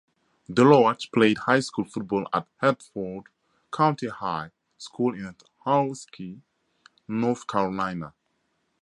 Deloatch played high school football at Hertford County High School in Ahoskie, North Carolina.